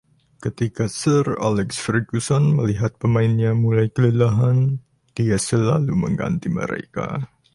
Ketika Sir Alex Ferguson melihat pemainnya mulai kelelahan, dia selalu mengganti mereka.